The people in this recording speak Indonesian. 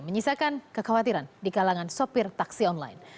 menyisakan kekhawatiran di kalangan sopir taksi online